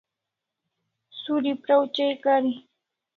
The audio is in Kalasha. Suri praw chai kari